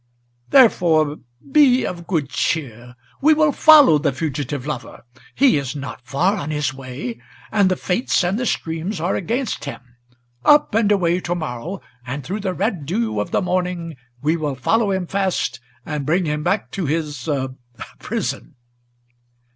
Therefore be of good cheer; we will follow the fugitive lover; He is not far on his way, and the Fates and the streams are against him. Up and away to morrow, and through the red dew of the morning We will follow him fast and bring him back to his prison."